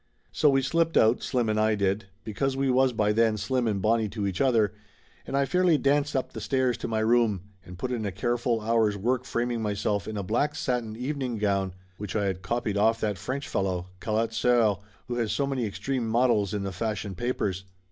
So we slipped out, Slim and I did because we was by then Slim and Bonnie to each other and I fairly danced up the stairs to my room and put in a careful hour's work framing myself in a black satin evening gown which I had copied off that French fellow, Callot Sceurs, who has so many extreme models in the fashion papers.